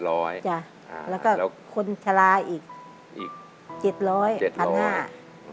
แล้วก็คนชะลาอีก๗๐๐บาท๑๐๐๐บาท